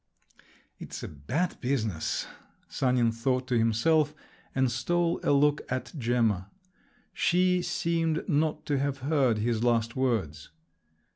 "It's a bad business!" Sanin thought to himself, and stole a look at Gemma. She seemed not to have heard his last words.